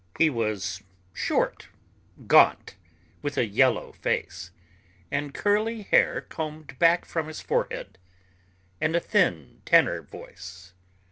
He was short, gaunt, with a yellow face, and curly hair combed back from his forehead, and a thin tenor voice.